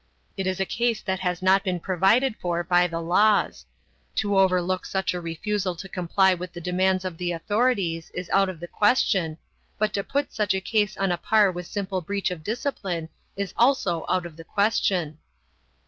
It is a case that has not been provided for by the laws. To overlook such a refusal to comply with the demands of the authorities is out of the question, but to put such a case on a par with simple breach of discipline is also out of the question.